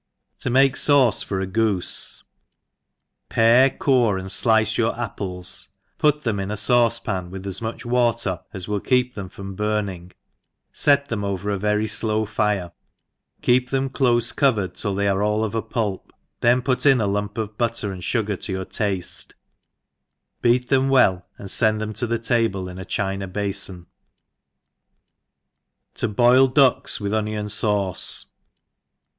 ENGLISH HOUSE KEEPER. 59 Ta make SavceJov a Gooss. I* ARE,, core, and flicc your apples, put them in z faacepan with as much water as will Recp them from burning, fct them over a very flow fire, keep them clofe covered till they are all of a pulp, then put in a lamp of butter^ and fugar ta your taftc, beat them well and fend them to the table in a china bafon. To foi/DtrcKs with OwroN Sauce.